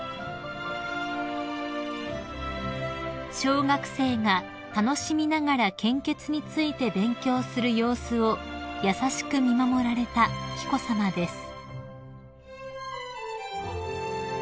［小学生が楽しみながら献血について勉強する様子を優しく見守られた紀子さまです］